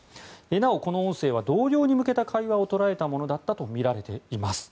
なおこの音声は同僚に向けた会話を捉えたものだったとみられています。